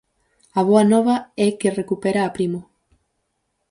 A boa nova é que recupera a Primo.